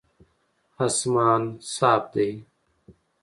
اسمان صاف دی